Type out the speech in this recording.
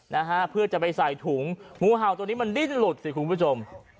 นะฮะเพื่อจะไปใส่ถุงงูเห่าตัวนี้มันดิ้นหลุดสิคุณผู้ชม